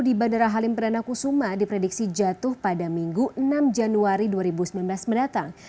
di bandara halim perdana kusuma diprediksi jatuh pada minggu enam januari dua ribu sembilan belas mendatang